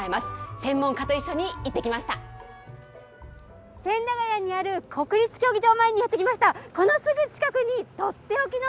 専門家と一緒に行ってきました。